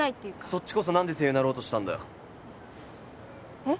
そっちこそ何で声優になろうとしたんだよえっ？